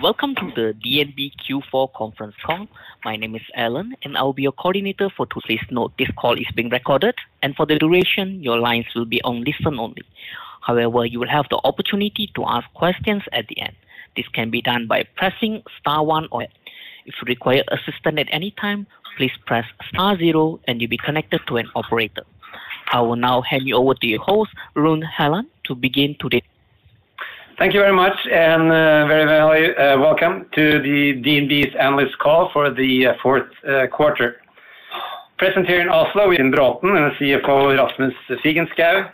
Welcome to the DNB Q4 conference call. My name is Alan, and I'll be your coordinator for today's note. This call is being recorded, and for the duration, your lines will be on listen only. However, you will have the opportunity to ask questions at the end. This can be done by pressing star one or if you require assistance at any time, please press star zero, and you'll be connected to an operator. I will now hand you over to your host, Rune Helland, to begin today. Thank you very much, and very, very welcome to the DNB's analyst call for the fourth quarter. Present here in Oslo: Kjerstin Braathen, CFO Rasmus Figenschou,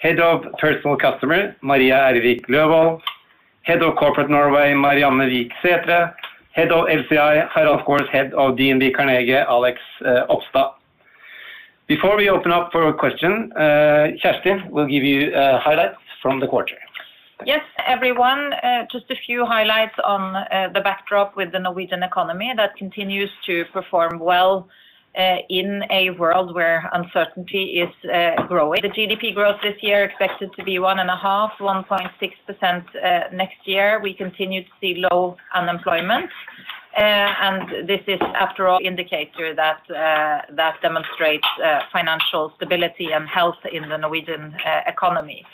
Head of Personal Customer Maria Ervik Løvold, Head of Corporate Norway Marianne Wik Sætre, Head of LCI, and, of course, Head of DNB Carnegie, Alex Opstad. Before we open up for a question, Kjerstin will give you highlights from the quarter. Yes, everyone, just a few highlights on the backdrop with the Norwegian economy that continues to perform well in a world where uncertainty is growing. The GDP growth this year expected to be 1.5%, 1.6% next year. We continue to see low unemployment, and this is after all indicator that that demonstrates financial stability and health in the Norwegian economy.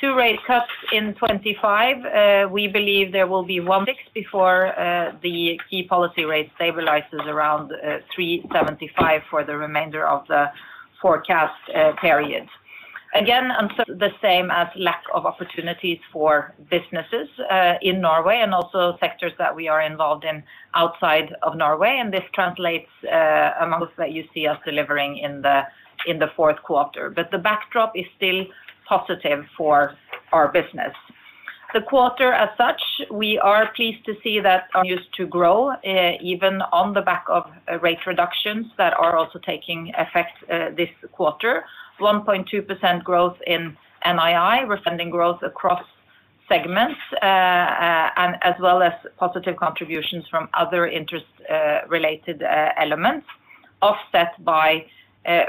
2 rate cuts in 2025, we believe there will be one first before the key policy rate stabilizes around 3.75% for the remainder of the forecast period. Again, and the same as lack of opportunities for businesses in Norway and also sectors that we are involved in outside of Norway, and this translates amongst that you see us delivering in the Q4. But the backdrop is still positive for our business. The quarter as such, we are pleased to see that continues to grow, even on the back of rate reductions that are also taking effect, this quarter. 1.2% growth in NII, we're seeing growth across segments, and as well as positive contributions from other interest-related elements, offset by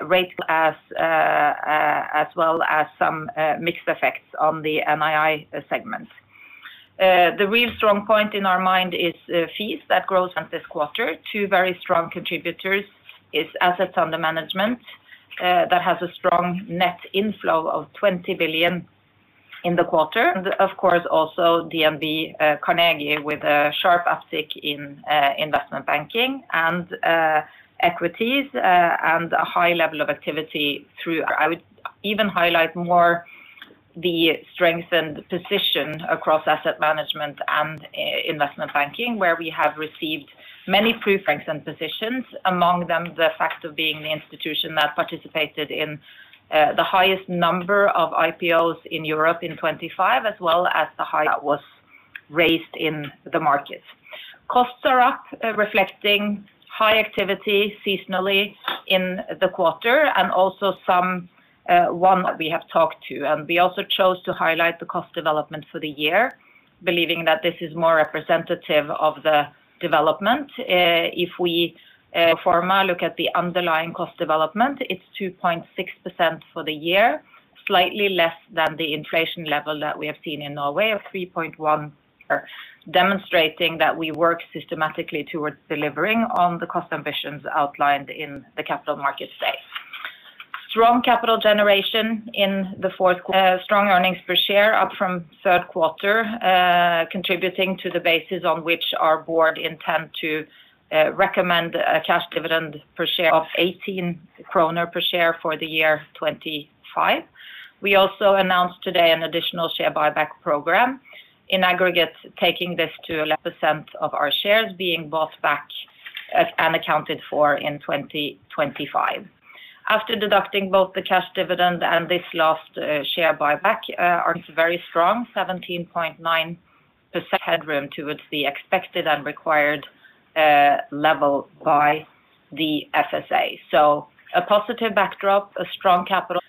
rates as well as some mixed effects on the NII segment. The real strong point in our mind is fees that grows in this quarter. Two very strong contributors is assets under management that has a strong net inflow of 20 billion in the quarter. And of course, also DNB Carnegie, with a sharp uptick in investment banking and equities, and a high level of activity through... I would even highlight more the strength and position across asset management and, investment banking, where we have received many proof points and positions, among them, the fact of being the institution that participated in, the highest number of IPOs in Europe in 2025, as well as the amount that was raised in the market. Costs are up, reflecting high activity seasonally in the quarter, and also some one-offs that we have talked about. We also chose to highlight the cost development for the year, believing that this is more representative of the development. If we take a look at the underlying cost development, it's 2.6% for the year, slightly less than the inflation level that we have seen in Norway of 3.1%, demonstrating that we work systematically towards delivering on the cost ambitions outlined in the Capital Markets Day. Strong capital generation in the Q4, strong earnings per share, up from Q3, contributing to the basis on which our board intend to recommend a cash dividend per share of 18 kroner per share for the year 2025. We also announced today an additional share buyback program, in aggregate, taking this to 1.1% of our shares being bought back as outstanding in 2025. After deducting both the cash dividend and this last, share buyback, our very strong 17.9% headroom towards the expected and required, level by the FSA. So a positive backdrop, a strong capital,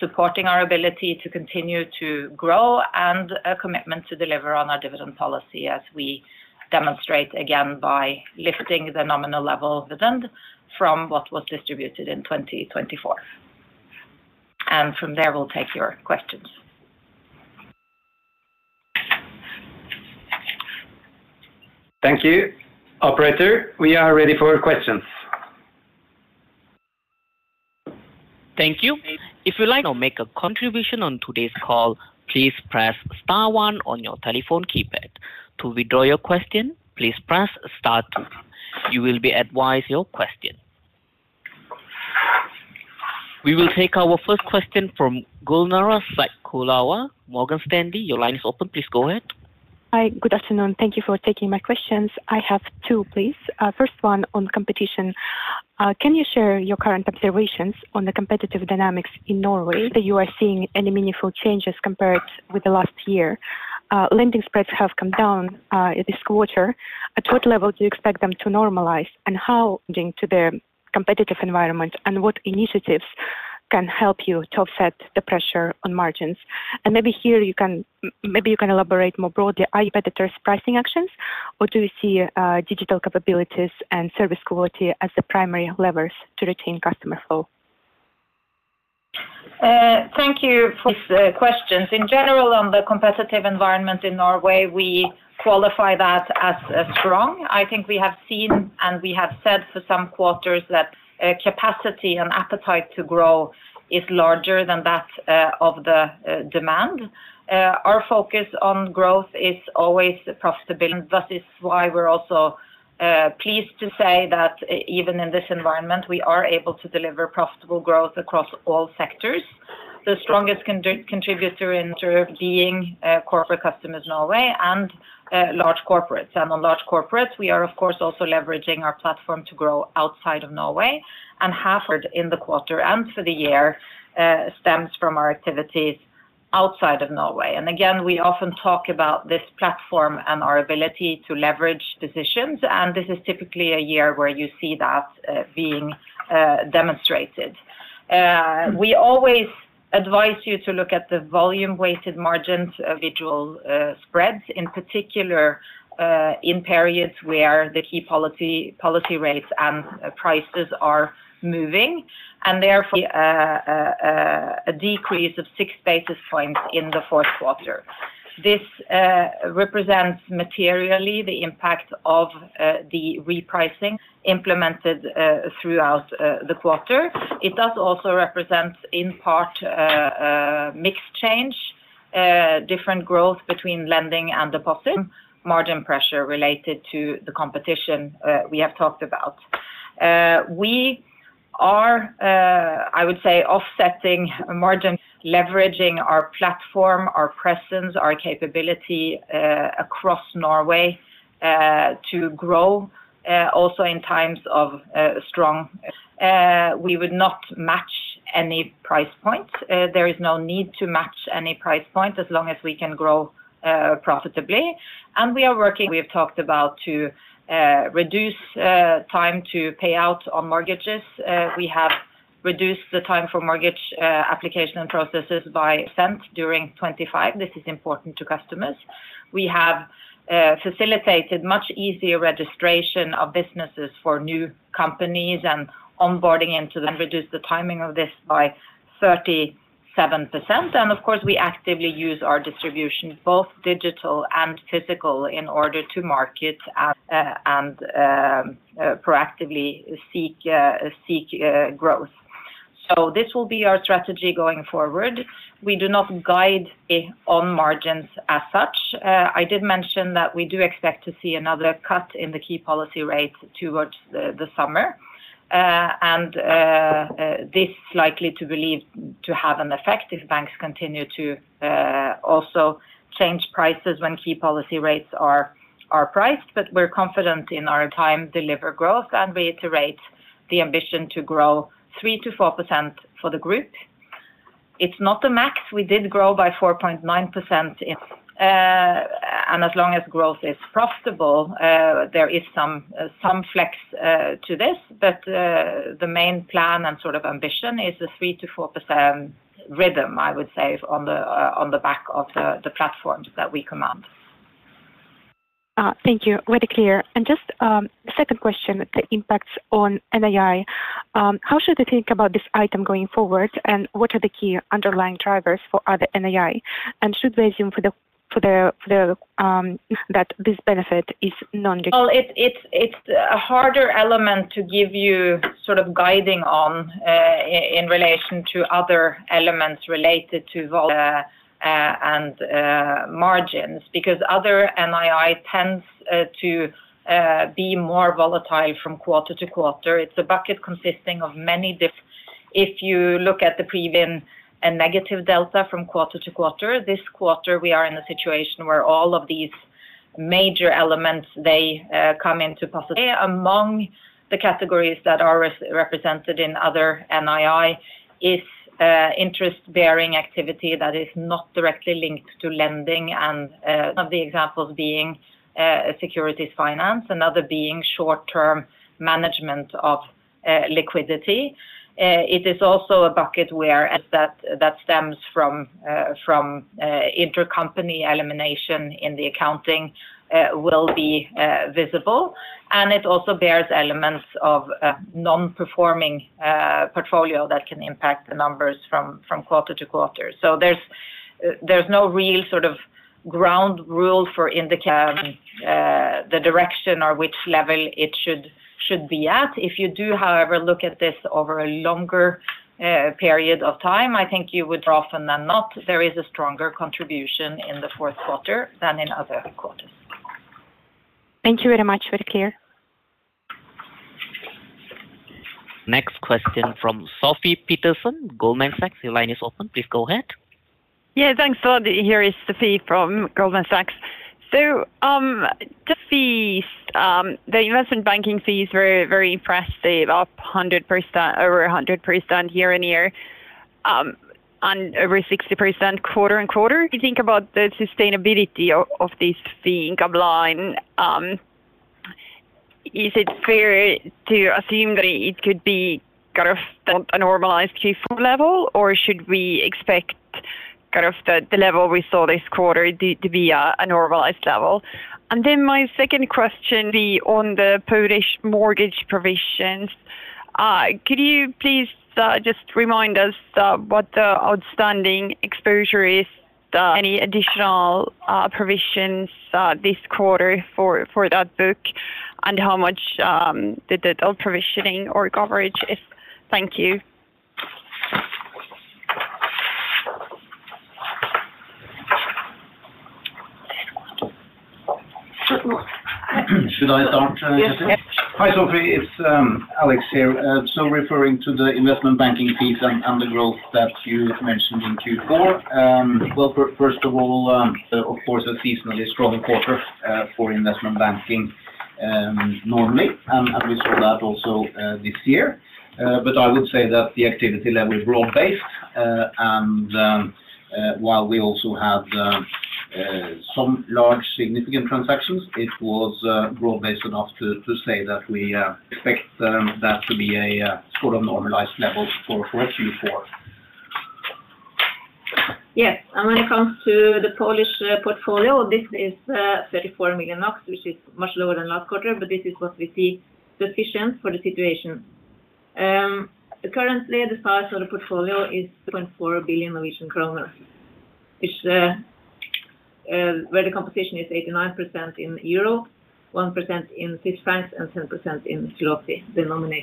supporting our ability to continue to grow and a commitment to deliver on our dividend policy, as we demonstrate again by lifting the nominal level dividend from what was distributed in 2024. And from there, we'll take your questions. Thank you. Operator, we are ready for questions. Thank you. If you like to make a contribution on today's call, please press star one on your telephone keypad. To withdraw your question, please press star two. You will be advised your question. We will take our first question from Gulnara Saitkulova, Morgan Stanley. Your line is open. Please go ahead. Hi, good afternoon. Thank you for taking my questions. I have two, please. First one on competition. Can you share your current observations on the competitive dynamics in Norway, are you seeing any meaningful changes compared with the last year? Lending spreads have come down this quarter. At what level do you expect them to normalize, and how does that relate to the competitive environment, and what initiatives can help you to offset the pressure on margins? And maybe here you can, maybe you can elaborate more broadly, are you betting on pricing actions, or do you see digital capabilities and service quality as the primary levers to retain customer flow? Thank you for the questions. In general, on the competitive environment in Norway, we qualify that as strong. I think we have seen, and we have said for some quarters, that capacity and appetite to grow is larger than that of the demand. Our focus on growth is always profitability, and that is why we're also pleased to say that even in this environment, we are able to deliver profitable growth across all sectors. The strongest contributor in terms of being Corporate Customers Norway and Large Corporates. On Large Corporates, we are, of course, also leveraging our platform to grow outside of Norway, and half in the quarter and for the year stems from our activities outside of Norway. And again, we often talk about this platform and our ability to leverage positions, and this is typically a year where you see that being demonstrated. We always advise you to look at the volume-weighted margins of official spreads, in particular, in periods where the key policy rates and prices are moving, and therefore a decrease of 6 basis points in the Q4. This represents materially the impact of the repricing implemented throughout the quarter. It does also represent, in part, mixed change, different growth between lending and deposit, margin pressure related to the competition we have talked about. We are, I would say, offsetting margins, leveraging our platform, our presence, our capability across Norway to grow also in times of strong. We would not match any price points. There is no need to match any price points as long as we can grow profitably. We are working, we have talked about to reduce time to pay out on mortgages. We have reduced the time for mortgage application and processes by 25% during 2025. This is important to customers. We have facilitated much easier registration of businesses for new companies and onboarding into them, reduced the timing of this by 37%. And of course, we actively use our distribution, both digital and physical, in order to market and proactively seek growth. So this will be our strategy going forward. We do not guide it on margins as such. I did mention that we do expect to see another cut in the key policy rate towards the summer. This is likely to believe to have an effect if banks continue to also change prices when key policy rates are priced. But we're confident in our time, deliver growth, and we iterate the ambition to grow 3%-4% for the group. It's not the max. We did grow by 4.9% in and as long as growth is profitable, there is some some flex to this. But the main plan and sort of ambition is a 3%-4% rhythm, I would say, on the on the back of the platforms that we command. Thank you. Very clear. And just, second question, the impacts on NII. How should I think about this item going forward, and what are the key underlying drivers for other NII? And should we assume for the, that this benefit is non- Well, it's a harder element to give you sort of guidance on in relation to other elements related to volume and margins, because other NII tends to be more volatile from quarter-to-quarter. It's a bucket consisting of many different. If you look at the pre-provision and negative delta from quarter-to-quarter, this quarter, we are in a situation where all of these major elements come into play. Among the categories that are represented in other NII is interest-bearing activity that is not directly linked to lending, one of the examples being securities finance, another being short-term management of liquidity. It is also a bucket where that stems from intercompany elimination in the accounting will be visible. It also bears elements of non-performing portfolio that can impact the numbers from quarter-to-quarter. So there's no real sort of ground rule for indicating the direction or which level it should be at. If you do, however, look at this over a longer period of time, I think you would more often than not, there is a stronger contribution in the Q4 than in other quarters. Thank you very much. Very clear. Next question from Sofie Peterzens, Goldman Sachs. Your line is open. Please go ahead. Yeah, thanks a lot. Here is Sofie from Goldman Sachs. So, the fees, the investment banking fees, very, very impressive, up 100%, over 100% year-on-year, and over 60% quarter-on-quarter. You think about the sustainability of this fee income line, is it fair to assume that it could be kind of a normalized Q4 level, or should we expect kind of the level we saw this quarter to be a normalized level. And then my second question, on the Polish mortgage provisions. Could you please just remind us what the outstanding exposure is, any additional provisions this quarter for that book, and how much the total provisioning or coverage is? Thank you. Should I start, Kjerstin? Yes, please. Hi, Sofie. It's Alex here. So referring to the investment banking fees and the growth that you mentioned in Q4. Well, first of all, of course, a seasonally strong quarter for investment banking, normally, and we saw that also this year. But I would say that the activity level is broad-based, and while we also have some large significant transactions, it was broad-based enough to say that we expect that to be a sort of normalized level for Q4. Yes, and when it comes to the Polish portfolio, this is 34 million NOK, which is much lower than last quarter, but this is what we see sufficient for the situation. Currently, the size of the portfolio is 2.4 billion Norwegian kroner, which, where the composition is 89% in EUR, 1% in CHF, and 10% in PLN, the nominal.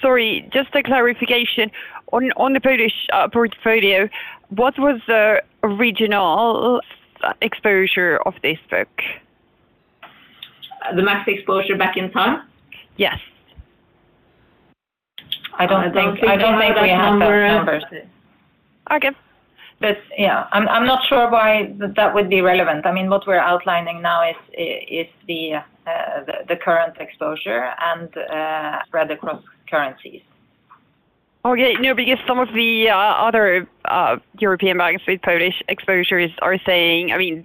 Sorry, just a clarification. On the Polish portfolio, what was the original exposure of this book? The max exposure back in time? Yes. I don't think we have that number. Okay. But, yeah, I'm not sure why that would be relevant. I mean, what we're outlining now is the current exposure and spread across currencies. Okay. No, because some of the other European banks with Polish exposures are saying... I mean,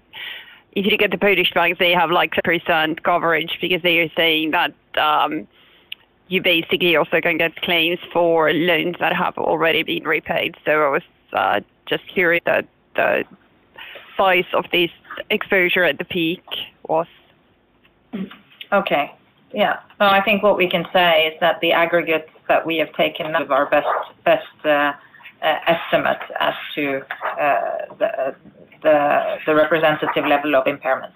if you look at the Polish banks, they have, like, a percent coverage because they are saying that you basically also can get claims for loans that have already been repaid. So I was just curious that the size of this exposure at the peak was. Okay. Yeah. So I think what we can say is that the aggregates that we have taken of our best estimate as to the representative level of impairment.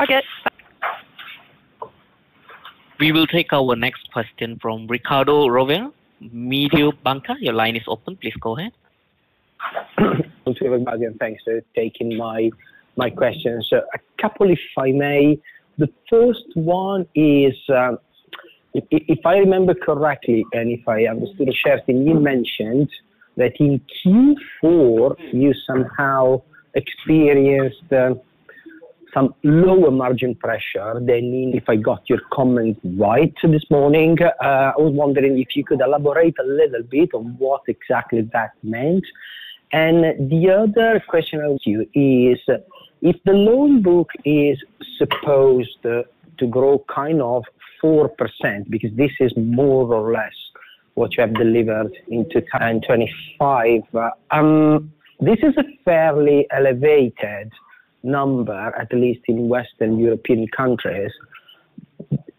Okay. We will take our next question from Riccardo Rovere, Mediobanca. Your line is open. Please go ahead. Thanks for taking my questions. A couple, if I may. The first one is, if I remember correctly, and if I understood Kjerstin, you mentioned that in Q4, you somehow experienced some lower margin pressure than if I got your comment right this morning. I was wondering if you could elaborate a little bit on what exactly that meant. And the other question I have to you is, if the loan book is supposed to grow kind of 4%, because this is more or less what you have delivered in 2025, this is a fairly elevated number, at least in Western European countries,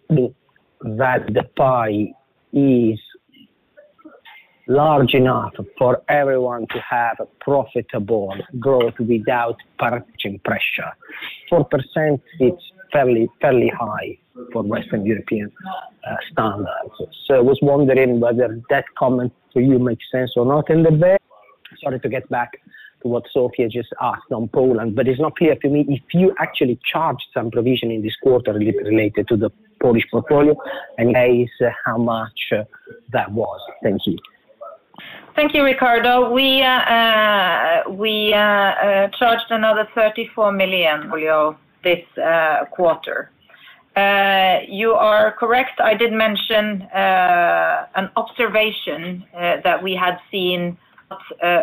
that the pie is large enough for everyone to have a profitable growth without margin pressure. 4%, it's fairly, fairly high for Western European standards. So I was wondering whether that comment to you makes sense or not. And then, sorry, to get back to what Sofie just asked on Poland, but it's not clear to me if you actually charged some provision in this quarter related to the Polish portfolio, and how much that was. Thank you. Thank you, Riccardo. We charged another 34 million euro this quarter. You are correct. I did mention an observation that we had seen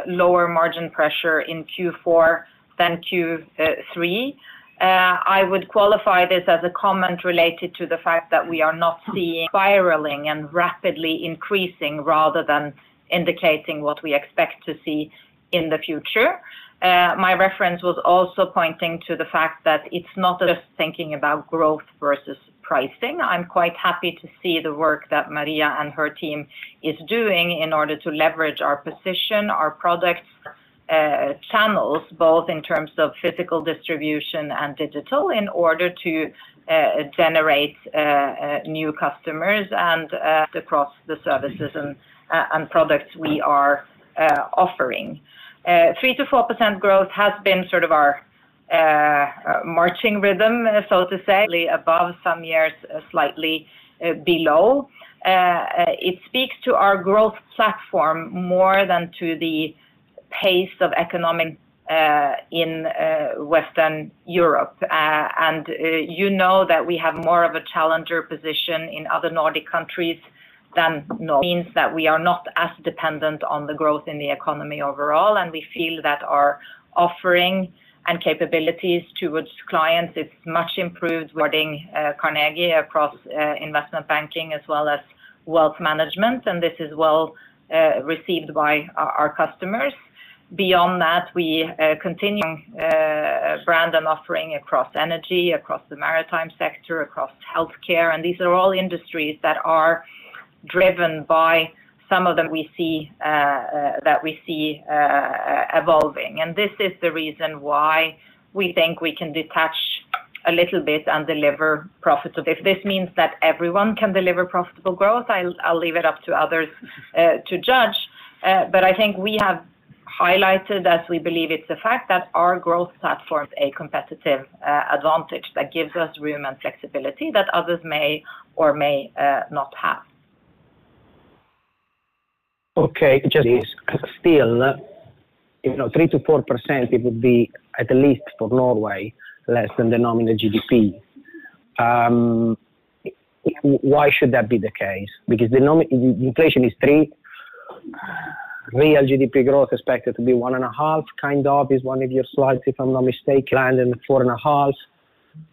lower margin pressure in Q4 than Q3. I would qualify this as a comment related to the fact that we are not seeing spiraling and rapidly increasing rather than indicating what we expect to see in the future. My reference was also pointing to the fact that it's not just thinking about growth versus pricing. I'm quite happy to see the work that Maria and her team is doing in order to leverage our position, our products channels, both in terms of physical distribution and digital, in order to generate new customers and across the services and products we are offering. 3%-4% growth has been sort of our marching rhythm, so to say, above some years, slightly below. It speaks to our growth platform more than to the pace of economic in Western Europe. You know that we have more of a challenger position in other Nordic countries than means that we are not as dependent on the growth in the economy overall, and we feel that our offering and capabilities towards clients is much improved, regarding Carnegie across investment banking as well as wealth management, and this is well received by our our customers. Beyond that, we continuing brand and offering across energy, across the maritime sector, across healthcare, and these are all industries that are driven by some of them we see that we see evolving. This is the reason why we think we can detach a little bit and deliver profits. If this means that everyone can deliver profitable growth, I'll leave it up to others to judge. But I think we have highlighted, as we believe it's the fact, that our growth platform is a competitive advantage that gives us room and flexibility that others may or may not have. Okay, just still, you know, 3%-4%, it would be at least for Norway, less than the nominal GDP. Why should that be the case? Because the nominal inflation is 3%. Real GDP growth expected to be 1.5%, kind of, is one of your slides, if I'm not mistaken, and 4.5%.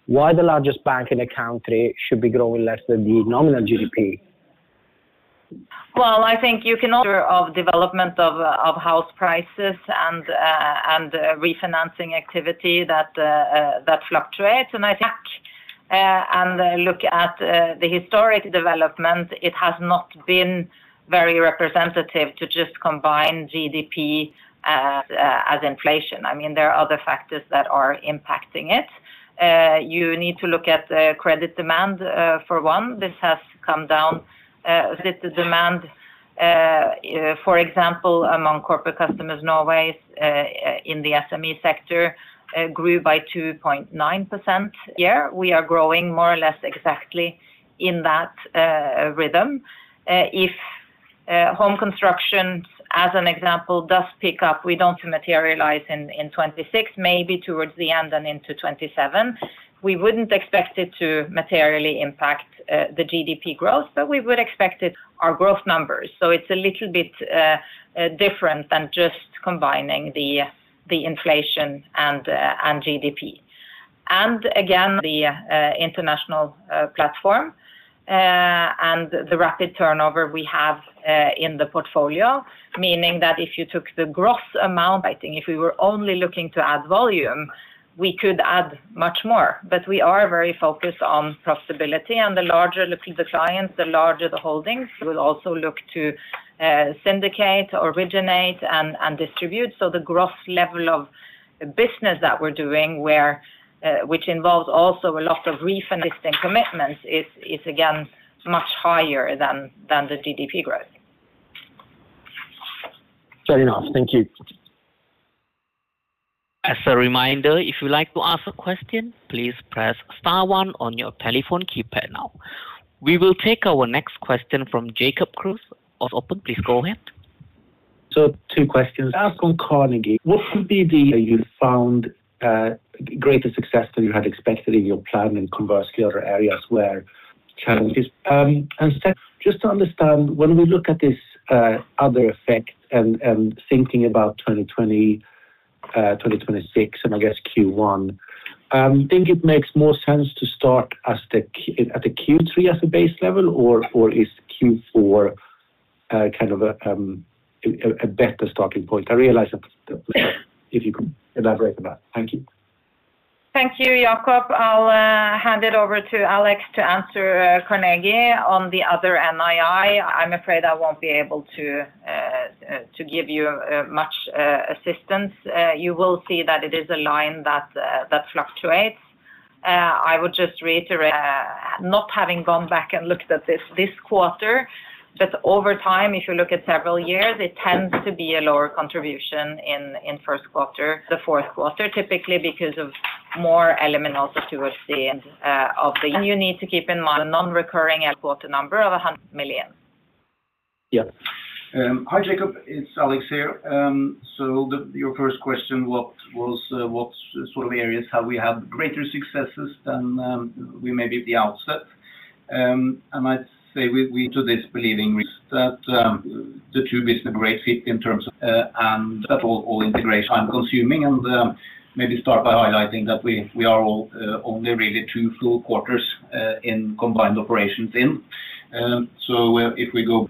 Why the largest bank in the country should be growing less than the nominal GDP? Well, I think you can order of development of house prices and refinancing activity that fluctuates. I think and look at the historic development, it has not been very representative to just combine GDP as inflation. I mean, there are other factors that are impacting it. You need to look at the credit demand, for one. This has come down. With the demand, for example, among Corporate Customers Norway, in the SME sector, grew by 2.9%. Yeah, we are growing more or less exactly in that rhythm. If home construction, as an example, does pick up, we don't materialize in 2026, maybe towards the end and into 2027. We wouldn't expect it to materially impact the GDP growth, but we would expect it our growth numbers. So it's a little bit different than just combining the, the inflation and the, and GDP. And again, the international platform and the rapid turnover we have in the portfolio, meaning that if you took the gross amount, I think if we were only looking to add volume, we could add much more. But we are very focused on profitability, and the larger the clients, the larger the holdings. We'll also look to syndicate, originate, and distribute. So the gross level of business that we're doing, where which involves also a lot of refinancing commitments, is again much higher than the GDP growth. Fair enough. Thank you. As a reminder, if you'd like to ask a question, please press star one on your telephone keypad now. We will take our next question from Jacob Kruse. Please go ahead. So two questions. As for Carnegie, what would be the area you found greater success than you had expected in your plan, and conversely, other areas where challenges? And second, just to understand, when we look at this, other effect and thinking about 2020, 2026, and I guess Q1, do you think it makes more sense to start with Q3 as a base level, or is Q4 kind of a better starting point? I realize that if you could elaborate on that. Thank you. Thank you, Jacob. I'll hand it over to Alex to answer Carnegie. On the other NII, I'm afraid I won't be able to give you much assistance. You will see that it is a line that fluctuates. I would just reiterate, not having gone back and looked at this quarter, but over time, if you look at several years, it tends to be a lower contribution in Q1, the Q4, typically because of more elemental towards the end of the... You need to keep in mind a non-recurring quarter number of 100 million. Yeah. Hi, Jacob, it's Alex here. So, your first question, what sort of areas have we had greater successes than we may be at the outset? I might say we to this believing that the two business great fit in terms of, and that all integration time consuming. And, maybe start by highlighting that we are all only really two full quarters in combined operations in. So if we go,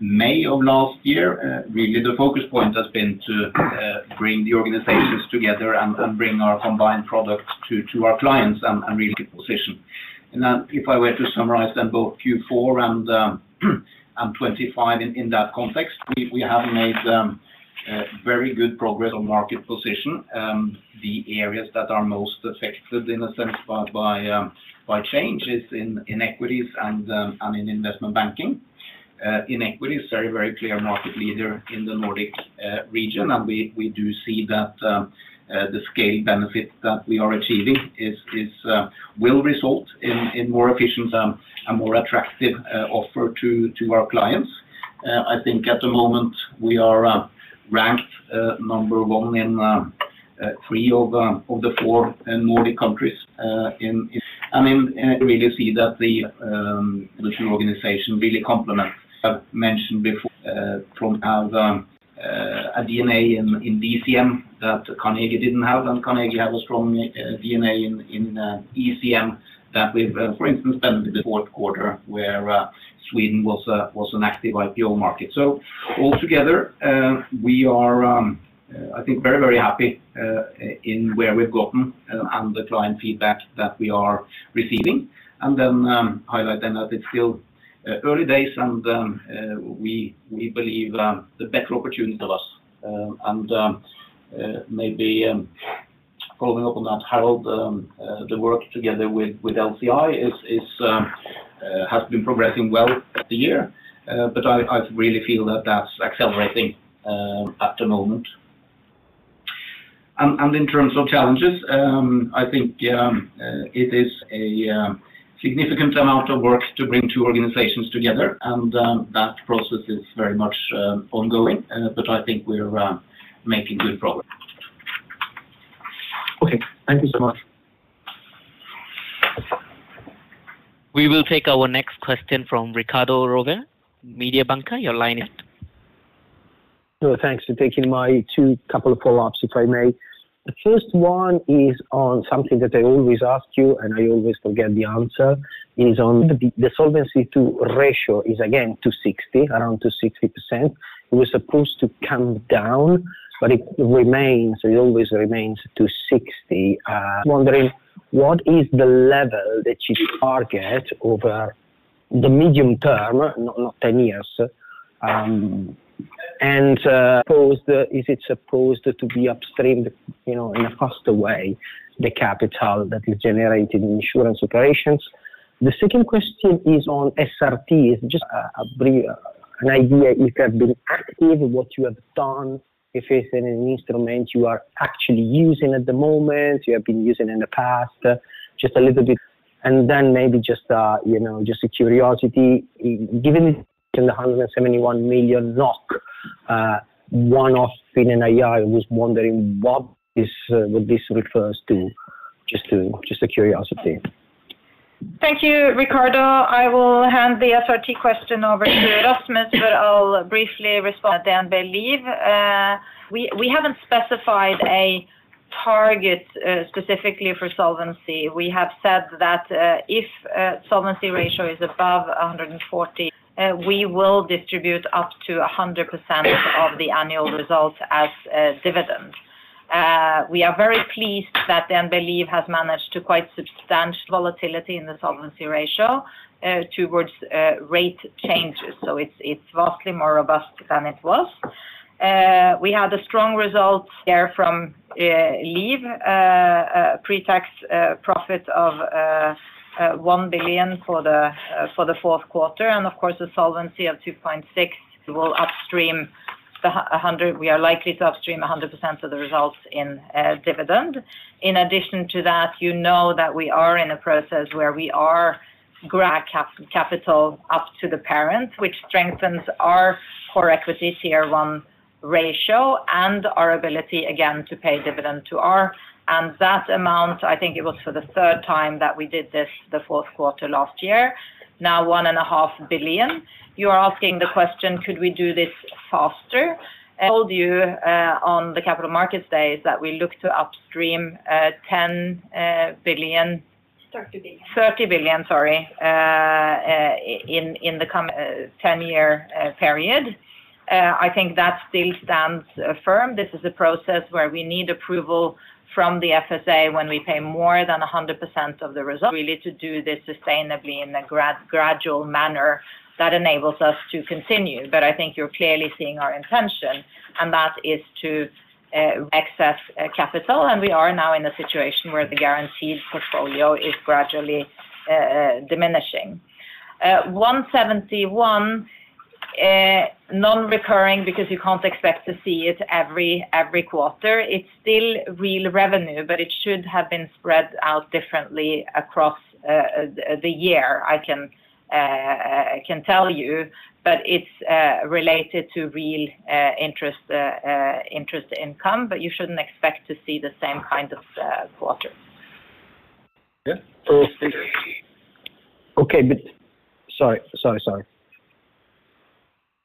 May of last year, really the focus point has been to bring the organizations together and bring our combined products to our clients and really position. And then if I were to summarize then both Q4 and 25 in that context, we have made very good progress on market position. The areas that are most affected in a sense by change is in equities and in investment banking. In equities, very clear market leader in the Nordic region. And we do see that the scale benefit that we are achieving will result in more efficient and more attractive offer to our clients. I think at the moment we are ranked number one in three of the four Nordic countries. I mean, I really see that the two organization really complement. I've mentioned before, from our DNA in DCM that Carnegie didn't have, and Carnegie have a strong DNA in ECM, that we've for instance the Q4, where Sweden was an active IPO market. So altogether, we are I think very, very happy in where we've gotten, and the client feedback that we are receiving. And then, highlight then that it's still early days, and we believe the better opportunity of us. And maybe following up on that, Harald, the work together with LCI has been progressing well the year. But I really feel that that's accelerating at the moment. And in terms of challenges, I think, yeah, it is a significant amount of work to bring two organizations together, and that process is very much ongoing, but I think we're making good progress. Okay, thank you so much. We will take our next question from Riccardo Rovere, Mediobanca. Your line is. So thanks for taking my two couple of follow-ups, if I may. The first one is on something that I always ask you, and I always forget the answer, is on the Solvency II ratio, again, 260%, around 260%. It was supposed to come down, but it remains, it always remains 260%. Wondering, what is the level that you target over the medium term, not 10 years? Supposed, is it supposed to be upstreamed, you know, in a faster way, the capital that you generated in insurance operations? The second question is on SRT. Just a brief, an idea if you have been active, what you have done, if it's an instrument you are actually using at the moment, you have been using in the past, just a little bit. Then maybe just, you know, just a curiosity, given the NOK 171 million one-off in NII, I was wondering what this refers to. Just a curiosity. Thank you, Riccardo. I will hand the SRT question over to Rasmus, but I'll briefly respond at the end, I believe. We haven't specified a target specifically for Solvency. We have said that if solvency ratio is above 140, we will distribute up to 100% of the annual results as dividends. We are very pleased that DNB Liv has managed to quite substantial volatility in the solvency ratio towards rate changes, so it's vastly more robust than it was. We had a strong results there from DNB Liv, a pre-tax profit of 1 billion for the Q4, and of course, a solvency of 2.6 will upstream a hundred. We are likely to upstream 100% of the results in dividend. In addition to that, you know that we are in a process where we are capital up to the parents, which strengthens our core equity tier one ratio and our ability, again, to pay dividend to our... That amount, I think it was for the third time that we did this, the Q4 last year, now 1.5 billion. You are asking the question, could we do this faster? Told you on the capital markets days, that we look to upstream 10 billion. 30 billion. 30 billion, sorry, in the coming 10-year period. I think that still stands firm. This is a process where we need approval from the FSA when we pay more than 100% of the result. We need to do this sustainably in a gradual manner that enables us to continue. But I think you're clearly seeing our intention, and that is to access capital. And we are now in a situation where the guaranteed portfolio is gradually diminishing. 171, non-recurring, because you can't expect to see it every quarter. It's still real revenue, but it should have been spread out differently across the year. I can tell you, but it's related to real interest income, but you shouldn't expect to see the same kind of quarter. Yeah. Okay, but... Sorry, sorry, sorry.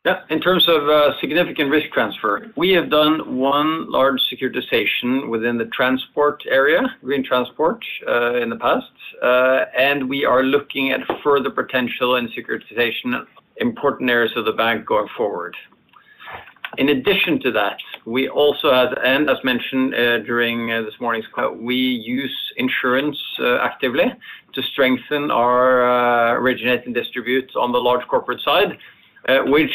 Yeah. In terms of significant risk transfer, we have done one large securitization within the transport area, green transport, in the past, and we are looking at further potential and securitization in important areas of the bank going forward. In addition to that, we also had, and as mentioned, during this morning's call, we use insurance actively to strengthen our originate and distribute on the large corporate side, which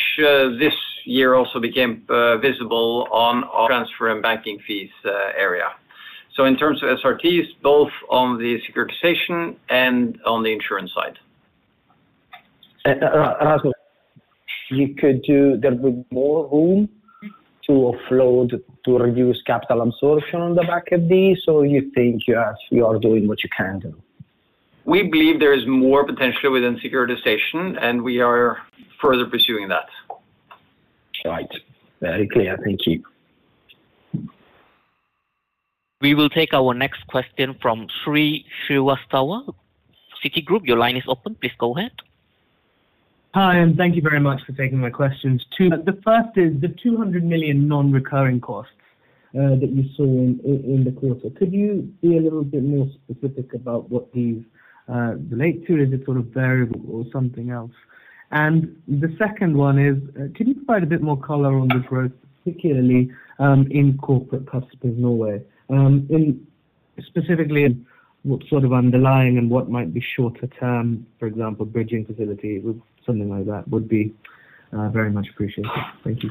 this year also became visible on our transfer and banking fees area. So in terms of SRTs, both on the securitization and on the insurance side. Rasmus, you could do there with more room to offload, to reduce capital absorption on the back of this, or you think you are, you are doing what you can do? We believe there is more potential within securitization, and we are further pursuing that. Right. Very clear. Thank you. We will take our next question from Shrey Srivastava, Citigroup. Your line is open. Please go ahead. Hi, and thank you very much for taking my questions, too. The first is the 200 million non-recurring costs that you saw in the quarter. Could you be a little bit more specific about what these relate to? Is it sort of variable or something else? And the second one is, can you provide a bit more color on the growth, particularly in corporate customers in Norway? Specifically, what sort of underlying and what might be shorter term, for example, bridging facility with something like that would be very much appreciated. Thank you.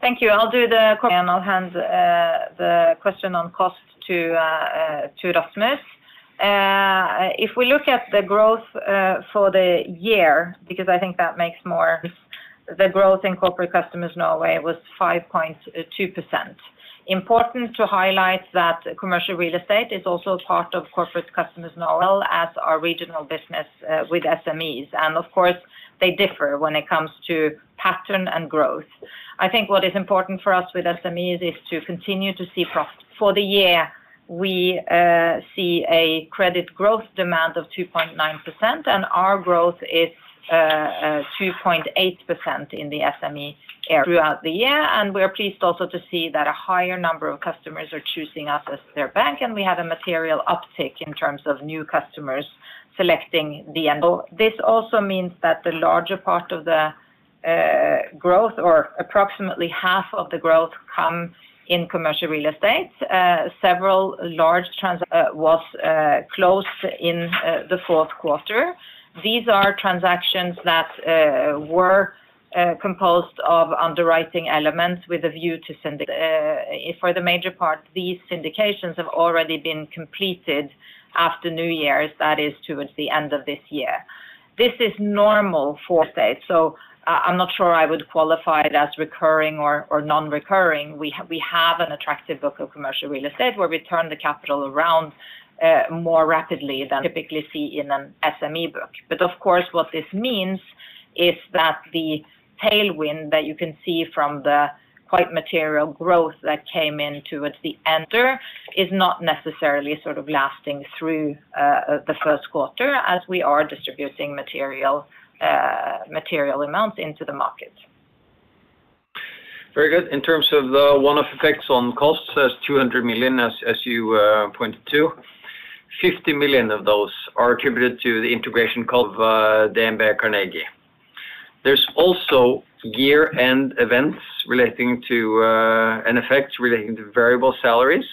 Thank you. I'll do the, and I'll hand, the question on cost to, to Rasmus. If we look at the growth, for the year, because I think that makes more-- the growth in Corporate Customers Norway was 5.2%. Important to highlight that commercial real estate is also part of Corporate Customers Norway, as our regional business, with SMEs. And of course, they differ when it comes to pattern and growth. I think what is important for us with SMEs is to continue to see profit. For the year, we see a credit growth demand of 2.9%, and our growth is 2.8% in the SME area throughout the year. We are pleased also to see that a higher number of customers are choosing us as their bank, and we have a material uptick in terms of new customers selecting DNB. So this also means that the larger part of the growth or approximately half of the growth come in commercial real estate. Several large transactions were closed in the Q4. These are transactions that were composed of underwriting elements with a view to syndicate. For the major part, these syndications have already been completed after New Year's, that is, towards the end of this year. This is normal for state, so I, I'm not sure I would qualify it as recurring or non-recurring. We have an attractive book of commercial real estate, where we turn the capital around more rapidly than typically see in an SME book. But of course, what this means is that the tailwind that you can see from the quite material growth that came in towards the end year is not necessarily sort of lasting through the Q1 as we are distributing material, material amounts into the market. Very good. In terms of the one-off effects on costs, as 200 million, as you pointed to, 50 million of those are attributed to the integration called DNB Carnegie. There's also year-end events relating to an effect relating to variable salaries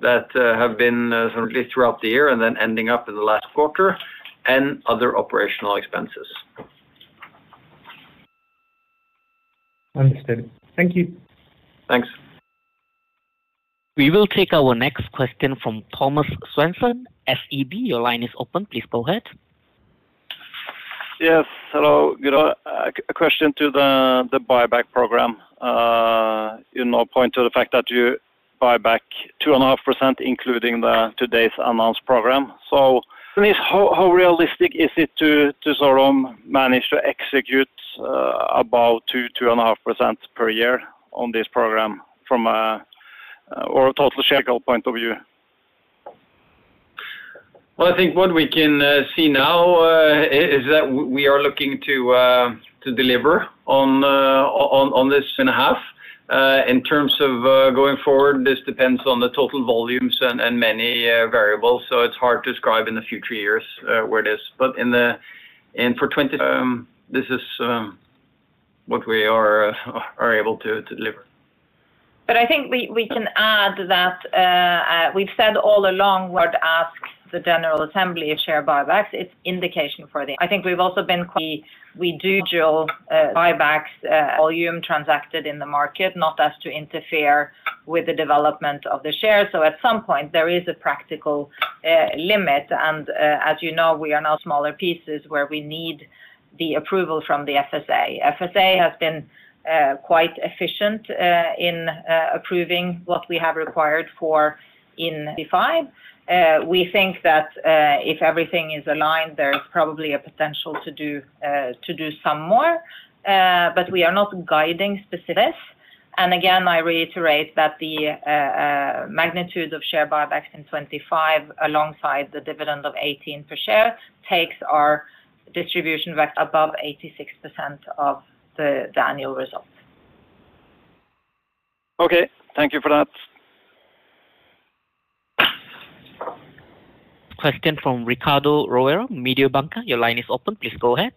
that have been sort of throughout the year and then ending up in the last quarter, and other operational expenses. Understood. Thank you. Thanks. We will take our next question from Thomas Svendsen, SEB. Your line is open. Please go ahead. Yes, hello. Good, a question to the buyback program. You know, point to the fact that you buy back 2.5%, including today's announced program. So how realistic is it to sort of manage to execute about 2%-2.5% per year on this program from a total shareholder point of view? Well, I think what we can see now is that we are looking to deliver on this and a half. In terms of going forward, this depends on the total volumes and many variables, so it's hard to describe in the future years where it is. But in the... And for 2020, this is what we are able to deliver. But I think we can add that we've said all along what the general assembly asks for share buybacks. It's an indication for the... I think we've also been quite clear we do buybacks volume transacted in the market, not so as to interfere with the development of the shares. So at some point, there is a practical limit. And, as you know, we are now in smaller pieces where we need the approval from the FSA. The FSA has been quite efficient in approving what we have applied for in the pipeline. We think that if everything is aligned, there is probably a potential to do some more, but we are not guiding specifics. Again, I reiterate that the magnitude of share buybacks in 2025, alongside the dividend of 18 per share, takes our distribution back above 86% of the annual results. Okay. Thank you for that. Question from Riccardo Rovere, Mediobanca. Your line is open. Please go ahead.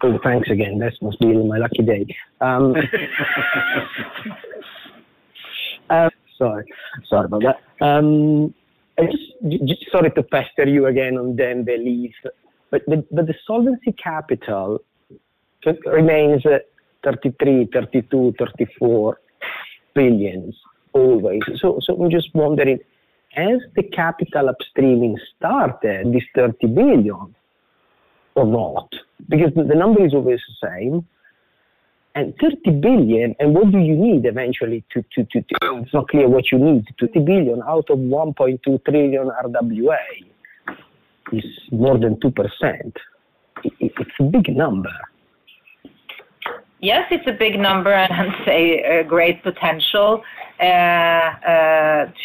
Good. Thanks again. This must be my lucky day. Sorry. Sorry about that. I just sorry to pester you again on them believe, but the solvency capital remains at 33 billion, 32 billion, 34 billion, always. So I'm just wondering, has the capital upstreaming started this 30 billion or not? Because the number is always the same, and 30 billion, and what do you need eventually to... It's not clear what you need. 30 billion out of 1.2 trillion RWA is more than 2%. It, it's a big number. Yes, it's a big number, and I'd say a great potential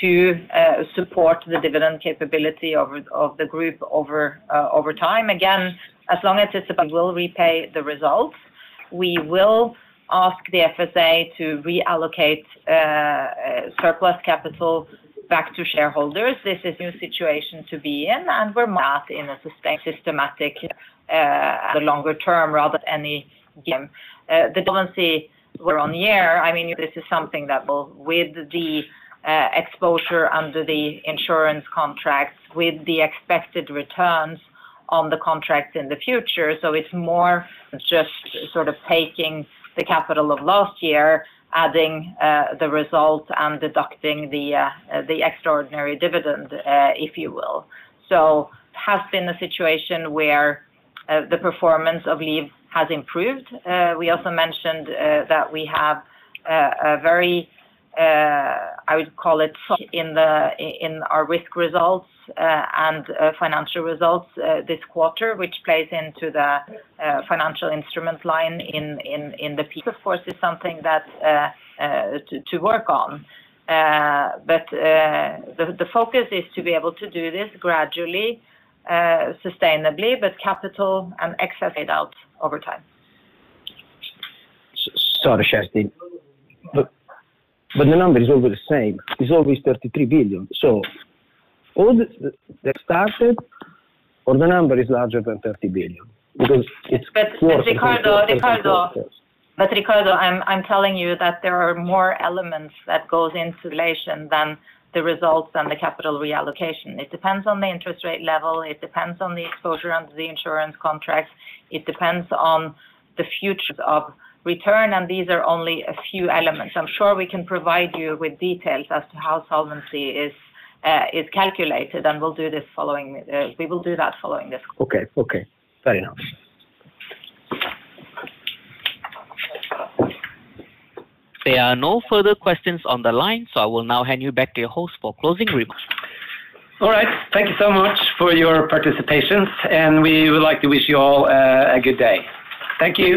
to support the dividend capability of the group over time. Again, as long as it's about we will repay the results. We will ask the FSA to reallocate surplus capital back to shareholders. This is new situation to be in, and we're not in a sustained systematic, the longer term, rather than the game. The solvency ratio on the year, I mean, this is something that will, with the exposure under the insurance contracts, with the expected returns on the contracts in the future, so it's more just sort of taking the capital of last year, adding the results and deducting the extraordinary dividend, if you will. So has been a situation where the performance of Liv has improved. We also mentioned that we have a very I would call it in our risk results and financial results this quarter, which plays into the financial instrument line in the P&L. Of course, it is something to work on. But the focus is to be able to do this gradually, sustainably, but capital and excess it out over time. Sorry, Kjerstin, but the number is always the same. It's always 33 billion. So all the started or the number is larger than 30 billion because it's- But Riccardo, Riccardo. But Riccardo, I'm telling you that there are more elements that goes into relation than the results and the capital reallocation. It depends on the interest rate level, it depends on the exposure under the insurance contract, it depends on the future of return, and these are only a few elements. I'm sure we can provide you with details as to how solvency is calculated, and we'll do this following the... We will do that following this. Okay. Okay. Fair enough. There are no further questions on the line, so I will now hand you back to your host for closing remarks. All right. Thank you so much for your participation, and we would like to wish you all a good day. Thank you.